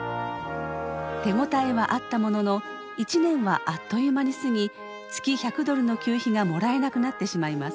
手応えはあったものの１年はあっという間に過ぎ月１００ドルの給費がもらえなくなってしまいます。